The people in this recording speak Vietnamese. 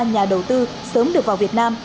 nhà đầu tư sớm được vào việt nam